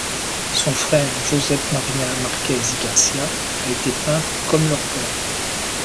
Son frère Josep Maria Marquès i García a été peintre comme leur père.